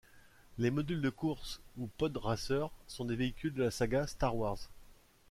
Les modules de course ou podracers sont des véhicules de la saga Star Wars.